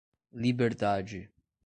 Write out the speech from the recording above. Liberdade